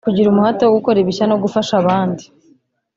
Kugira umuhate wo gukora ibishya no gufasha abandi